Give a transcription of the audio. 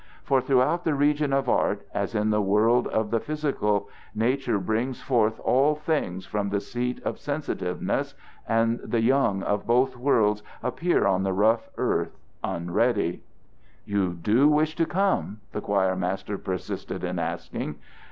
For throughout the region of art, as in the world of the physical, nature brings forth all things from the seat of sensitiveness and the young of both worlds appear on the rough earth unready. "You do wish to come?" the choir master persisted in asking.